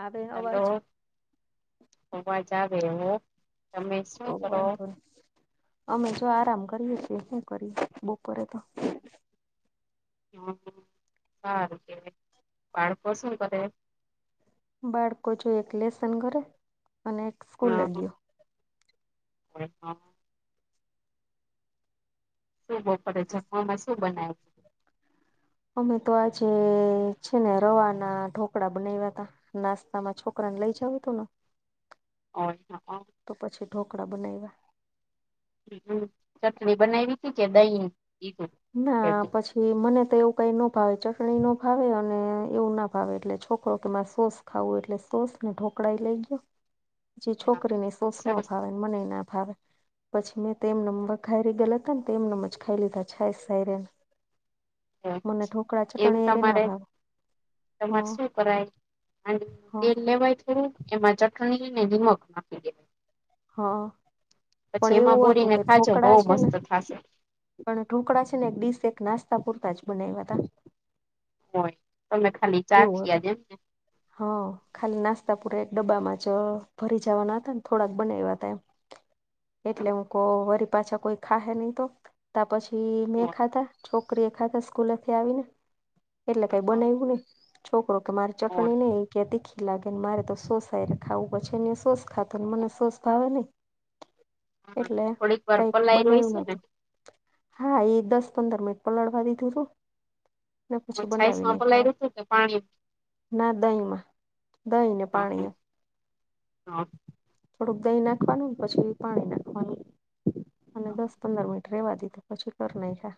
આવે અવાજ હલો, જબેવો તમે શું તો કરો [unintelligible] વાંધો નહી અમે જો આરામ કરીએ, શું કરી? બુક કરે તો? હ સાર બાળકોણ શું કર [unintelligible] બાળકો જો એ લેસન કરે. સ્કૂલે હા, ગયો હા. શું બપોરે? જમવામાં શું બનાવે છે? અમે તો આજે છે ને, રવાના ઢોકળા બનાવ્યા તા. નાસ્તા માં છોકરા ને લઈ જાવ તું ને. ઓ. હા. તો પછી ઢોકળા બનાવ્યા. હમ, ચટણી બનાવી હતી કે, દહી દીધું? ના પછી. એ મને તો એવું કાંઈ ન ભાવે, ચટણી ન ભાવે, અને એવું ના ભાવે, એટલે છોકરો કે મા સોસ. ખાવું, એટલે સોસ ને ઢોકળા ઈ લઈ ગયો. જે છોકરીને સોસ ન સરસ ભાવે, મને ના ભાવે, પછી મે તેમ ન ઘાયરી ગલત હતા ને, તો એને મ જ ખાઈ લીધા થાય, સાયરેન. એમ તમારે. હ તેમા શું કરાય, અને હ તેલ લેવાય થોડુંક. એમાં ચટણી ને, નમક નાખી દો. હા, પણ એમાં એવું હતું બોરીને કે, ખાજો બહુ ઢોકળા છે ને. મસ્ત થશે પણ ઢોકળા છે ને, એક ડીશ એક નાસ્તા પૂરતા જ બનાવ્યા તા. હોય, તમે ખાલી. એવું ચાખી હતું. આજે એમને હ, ખાલી નાસ્તા પૂરા એક ડબ્બામાં જ ભરી જવાના હતા ને, થોડાક બનાવ્યા હતા, એમ. [unintelligible] એટલે હુંકો વરી પાછા કોઈ ખાહે નહી તો, ત્યા પછી મે ખાધા, છોકરા છોકરીએ ખાધા સ્કૂલે થી આવી ને, એટલે કઈ બનાવ્યુ નહી. છોકરો કે, મારી ચટણી નહી. ત્યા તીખી લાગે ને, મારે તો સોસને ખાવું, પછી સોસ ખાતો ને, મને સોસ ભાવે નહીં. હા એટલે થોડીક વાર કંઈક બને પલાય્યું હોય એવું છે ને નતું. હા, એ દસ-પંદર મિનિટ પલડવા દીધું તું ને, પછી બનાવી ને છાઈસમાં ખાયા. [unintelligible] પાણી ના, દહીંમાં દહીંને, પાણીએ. હા. થોડુંક દહીં નાખવાનું, પછી પાણી નાખવાનું, અને દસ-પંદર મિનિટ. રેવા દીધું, તો પછી કરી નાખ્યા.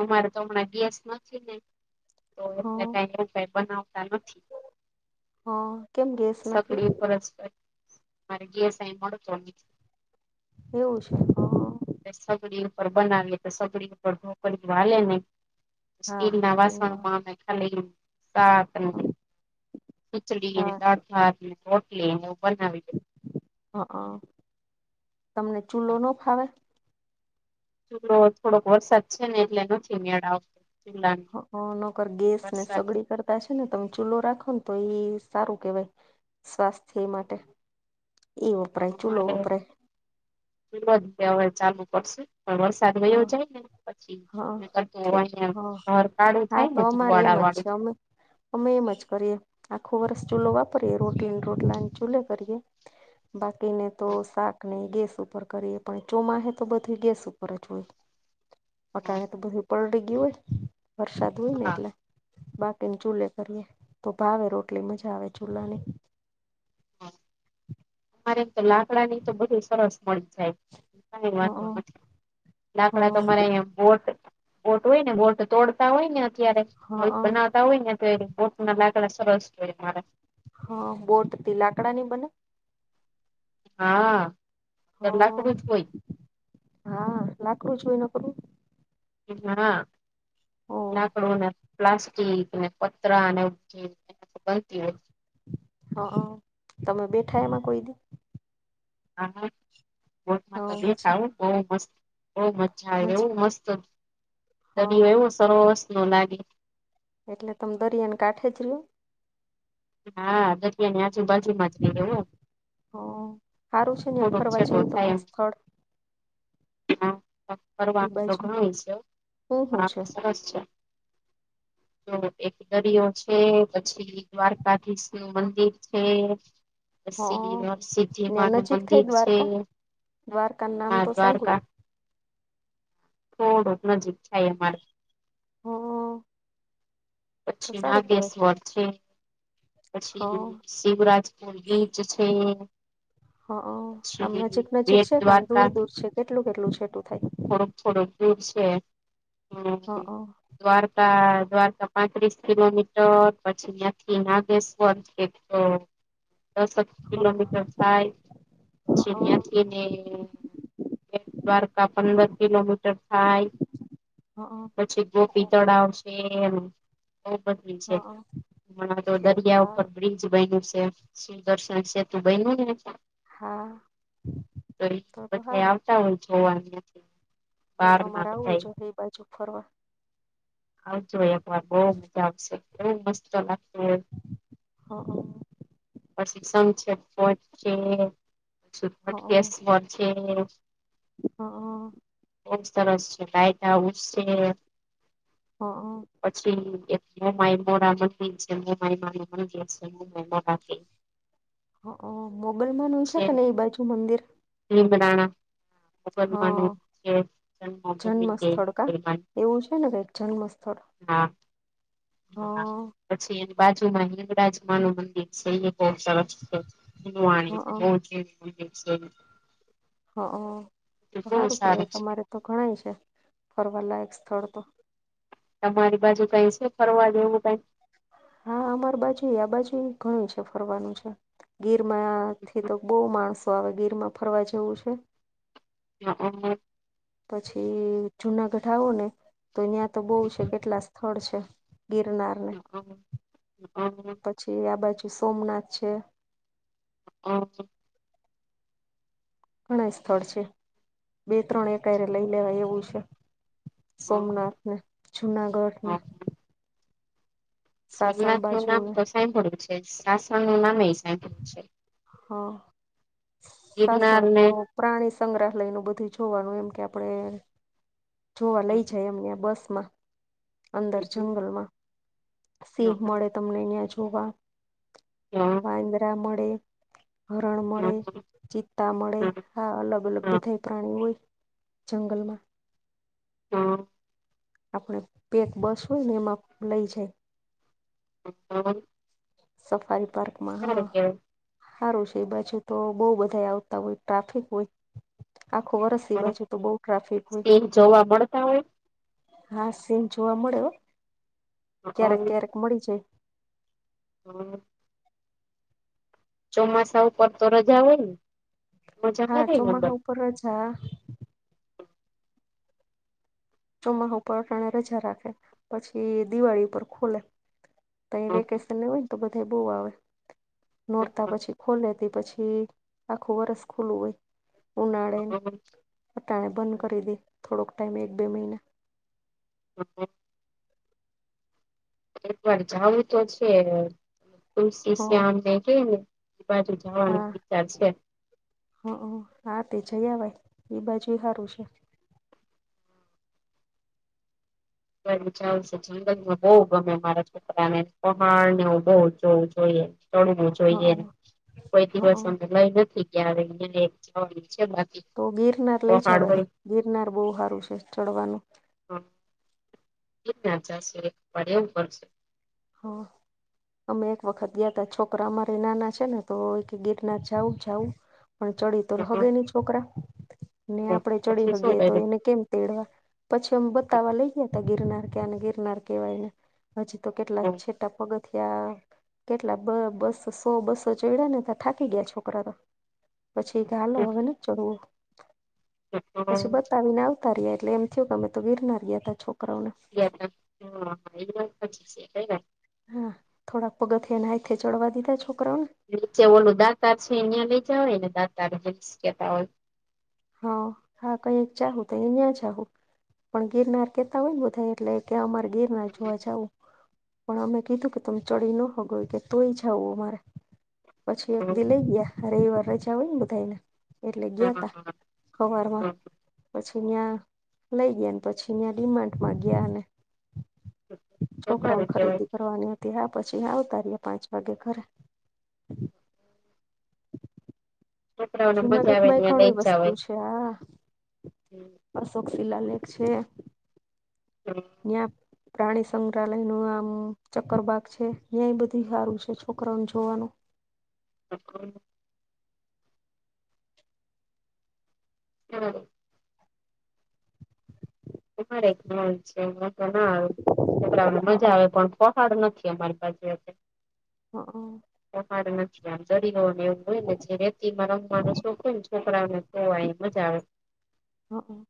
અમારે તો હમણાં ગેસ નથી ને, તો એટલે હા આવું કઈ બનાવતા નથી. હા કેમ ગેસ નથી સગડી ઉપર જ [unintelligible] મારે ગેસઈ મોતો [unintelligible] એવું છે, હા. સગડી ઉપર બનાવીએ, તો સગડી ઉપર ઢોકળી હાલે નહી. હા વાસ એનો માં મેખા લ [unintelligible] શાક ને, ખીચડીને, હા દાળ-ભાત ને, રોટલી ને બનાવી. દે હ, હ, તમને ચૂલો ના ફાવે. ચૂલો થોડોક વરસાદ છે ને, એટલે નથી મેળ આવતો. ચૂલા ને હા, અ નકર ગેસ ને, વરસાદ સગડી કરતા. છે ને, તમે ચૂલો રાખો ને, તો એ સારું કેહેવાય સ્વાસ્થ્ય માટે. એ પણ વપરાય ચૂલો અમારે વપરાય હવે [unintelligible] ગયો હા જાય ને પછી હા કર ઠીક અહ હા ઘર કાળું હા થાય તો ને અમારે ધૂવાળા વાળું [unintelligible] અમે એમ જ કરીએ આખો વર્ષ ચૂલો વાપરીએ રોટલીને રોટલાને ચૂલે કરીએ. બાકી [unintelligible] કીને તો શાક ને ગેસ ઉપર કરીએ પણ ચોમાહે તો બધુય ગેસ ઉપર જ હોય. અટાણે તો બધું પલડી ગયુ હોય વરસાદ હોય ને હા એટલે [unintelligible] ચૂલે કરીએે તો ભાવે રોટલી મજા આવે ચૂલાની હમ [inaudible] તમારે તો લાકડા ની તો બહું સરસ મળી જાય. કઈ હ વાંધો નથી હ લાકડા તમારા અહીંયા બોટ બોટ હોય ને બોટ તોડતા હોય ને અત્યારે હા બનાવતા હોય ને એ બોટ [inaudible] સરસ [inaudible] હા બોટ તે લાકડા ની બને હા હ ત્યાં લાકડું જ હોય હા લાકડું જ હોય એ નકરું હા ઓ લાકડું ને પ્લાસ્ટીક ને [inaudible] બનતી હોય [inaudible] હ તમે બેઠાય એમાં કોઈ દી હા બોટ હ માં તો બેઠા મજા બઉ મસ્ત બહ મજા આવે એવું મસ્ત હ દરીયો એવું સરસ નો લાગે. એટલે તમે દરિયાને કાંઠે જ રયો? હા દ આજુબાજુમાં રઈએ હો હ સારું છે ને થોડોક ફરવા છેટો જવું થાય તમાર એમ સ્થળ [inaudible] એ ફરવા તો બાજુ ઘણુય છે હું હ હું છે સરસ છે. તો એક દરિયો છે પછી દ્વાર દ્વારકાધીશ નું મંદિર છે. હ પછી સિદ્ધિ ત્યાં મા નું નજીક થઈ મંદિર છે દ્વારકા દ્વારકા નામ આ તો સાંભળું દ્વારકા થોડુંક નજીક થાય અમારે હ તો પછી સારું કેવાય નાગેશ્વર છે હ પછી દીવરાજપુર બીચ છે એ હ આમ નજીક નજીક બેટ છે કે આમ દૂર દ્વારકા દૂર છે કેટલું કેટલું છેટું થાય? થોડુંક થોડુંક દૂર છે એમ દ્વાર દ્વારકા પાંત્રીસ કિલોમીટર પછી ત્યાંથી નાગેશ્વર છે. [inaudible] દસ જ કિલોમીટર થાય પછી ત્યાથી ને બેટદ્વારકા પંદર કિલોમીટર થાય પછી ગોપી તળાવ છે એમ બધી હ છે હ હમણાં તો છે દરિયા હા ઉપર બ્રિજ બન્યું છે. સુદર્શન સેતુ બન્યું તો હા એ તો તો બધા સારું આવતા હોય જોવાનું તો તો મારે આવું જોવા એ બાજુ ફરવા આવજો એક વાર બહુ મજા આવશે મસ્ત લાગશે. હા હ પછી સનસેટ પોઇન્ટ છે હ હ [inaudible] હા બહુ સરસ છે લાઇટ હાઉસ છે. હા હ પછી એક મોમાઈ મોડા મદિર છે મોમાઈ મા નુ મદિર છે મોમાઈ મોડા હ અહ મોગલમાનું છે પેલા એ બાજુ મંદિર. લીમરાણા હા જન્મ સ્થળ [unintelligible] કા એવું છે ને કાઈક જન્મ સ્થળ. હા હા, પછી એની બાજુમાં હિગળાજમા નું મંદિર છે એ બોવ સરસ. છે. હા [unintelligible] હ અહ એ તો બહુ સારું કેહેવાય છે. તમારે તો ઘણાય છે ફરવાલાયક સ્થળ તો. તમારી બાજુ કઈ છે ફરવા જેવું કઈ? હા, અમારી બાજુ આ બાજુ ઘણુ છે ફરવાનું છે ગીર માંથી તો કઈ? બહુ માણસો આવે ગીરમાં ફરવા જેવું છે. [unintelligible] પછી જુનાગઢ આવો ને તો તયાં તો બહુ છે કેટલા સ થળ છે ગિરનાર [inaudible] છે આ બાજુ સોમનાથ છે. હ. ઘણા સ્થળ છે બે ત્રણ એકહારે લઈ લેવાય એવું છે. સોમનાથ ને જુનાગઢ ને સાસણ સોમનાથ નું બાજુ નામ ને તો સાંભળ્યું છે સાસણ નું નામે એ સાંભળ્યું છે. હા, ગિરનાર સાસણ તો ને પ્રાણી સંગ્રહાલયનું બધું જોવાનું એમ કે આપડે જોવા લઈ જાય એમને બસમાં. અંદર જંગલમાં સિંહ મળે તમને અહયા જોવા. એ હ. વાંદરા મળે, હરણ મળે, ચિત્તા મળે, હા અલગ અલગ બધાએ પ્રાણી હોય જંગલમાં. હા. આપડે પેક બસ હોય ને એમાં લઈ જાય. હ તો સફારી પાર્કમાં હા. કેવાય હારું છે એ બાજુ તો બહુ બધા આવતા હોય ટ્રાફિક હોય. આખો વર્ષની બાજુ તો બહુ ટ્રાફિક હોય. સિંહ જોવા મળતા હોય. હા, સિંગ જોવા મળ્યો હા ક્યારેક ક્યારેક મળી જાય. હા. ચોમાસા આ ઊપરતો રજા હોય ને? મજા હા, કરે ને અંદર ચોમામાં ઉપર રજા. ચોમા ઉપર તૈયા રજા રાખે પછી દિવાળી ઉપર ખોલે. તૈયા વેકે શન હોય ને તો બધા બહુ આવે નોરતા પછી ખોલે તે પછી આખું વરસ ખુલ્લું હોય ઉનાળેને. અટાણે બંધ કરી દે થોડોક ટાઈમ એક બે મહિના. હ અહ. એક વાર જવું તો છે હ તુલસી શ્યામને કે ને બાજુ જવાનું હા વિચાર છે. હ હા તે જયાવાય એ બાજુ એ હારું છે. બરાબર ચાલસે જો જંગલમાં બહુ ગમે મારા છોકરાને પહાડ નેું બહુ જોવું જોઈએ ચડવું હ જોઈએ કોઈ હ દિવસ અમે લઈ નથી ગયા હવે લઈ જવાની છે બાકી. તો ગિરનાર લઈ પહાડ જવા ને હોય ગિરનાર બહુ હારું છે ચડવાનું. એક નાચા શે એક પડ્યા ઉપર છે. હા. અમે એક વખત ગયા હતા છોકરા અમારે નાના છે ને તો કે ગિરનાર જાવું જાવું. પણ ચડી તો હગે નહી છોકરા ને આપડે ચડી પછી શું હગીએ તો કર્યું એને કેમ. તેડવા પછીમ બતાવા લઈ ગયા તા ગિરનાર કે ગિરનાર કવાયને હજી તો કેલા છેટા પગ. ત્યા કેટલા બ બસ સો બસો ચડ્યા ને ત્યા થાકી ગયા છોકરા તો પછી તે હાલો હવેન ચડવું પછી બતાવીને આવ. ઉતારી એટલે એમ થયુ અમે તો ગીરનાર્યા હતા હા એક દમ પછી સેકાઈ ગયાં. હા થોડા પગથીયા ને હાથે ચડવા દીધા છોકરાઓને નીચે ઓલું દાત છે એહિયાયા લઇ જ હોય ને દાતા કેતા હોય. હા હા કઈક ચાહું તો નાયા ચાહું. પણ ગિરનાર કેતા હોય ને બધા એટલે કે અમારે ગિરનાર જોવા જાવું. પણ અમે કીધું કે તમે ચડી ન હોગો કે તોય જાવું અમારે પછી એક દી લઈ ગયા. રવિવાર રજા હોયને બધાને એટલે હા ગયા હા તા હા હવાર માં. પછી ત્યાં લઈ ગયા પછીં ડિમાન્ડ માં ગયાને તો સારું છોકરાઓને કેવાય ખરીદી કરવાની હતી હા પછી આવતા રહ્યા પાંચ વાગે ઘરે છોકરાઓને મજા આવે જુનાગઢમાં એ ત્યાં ઘણી વસ્તુ છે આ હમ. મારિ સોકરી લાલિ છે. હમ. ન્યા પ્રાણી સંગ્રહાલય નો આમ ચક્કર બાાગ છે ત્યાંય બધું સારું છે છોકરાઓને જોવાનું [unintelligible] જવા દો [unintelligible] તે ના આવે છોકરાઓને મજા હ આવે પણ પહાડ નથી અમારી પાસે હં અ પહાડ નથી આમ દરીયો ને એવું હોય ને જે રેતીમાં રમવાનું શોખ હોય ને છોકરાઓને તો આઈ મજા આવે હં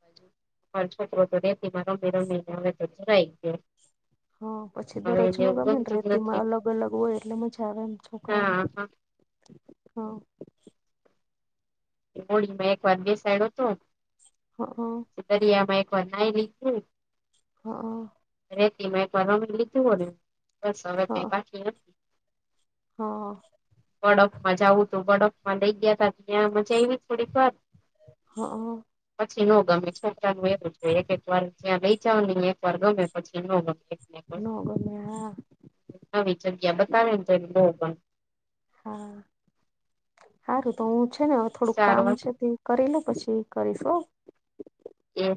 અમારો છોકરો રેતિમાં રમી રમી ને હવે ધરાઈ ગયો હ પછી તો હવે એને રજનો ગમે એવું ને ગમતું જ રેતી માં નથી. અલગ અલગ હોય એટલે મજા આવે એમ છોકરાઓને હા હા હા હોળીમાં એકવાર બેસાયડો તો હ. હ- દરિયામાં એક નાઈ લીધું. હ હ રેતી માં એક વાર રમી લીધું હો ને બસ હવે હ કઈ બાકી નથી. હા. બડફમાં જવું તું બડફમાં લઈ ગયા તા ત્યાં જઈવી થોડીક વાર હા પછી નો ગમે છોકરાનુ એવું જ હોય એક એક વાર ત્યાં લઈ જાઓ ન્યા એક વાર ગમે પછી ન ગમે. નો ગમે હા નવી જગ્યા બતાવે ને તો એને બહુ ગમે હા સારું તો હું છે ને હવે થોડુંક કામ સારું છે. કરિલે પછી કરીશ હો. એ